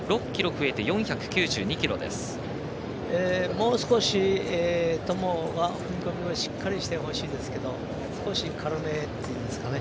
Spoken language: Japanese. もう少しトモが踏み込みをしっかりしてほしいですけど少し軽めっていうんですかね。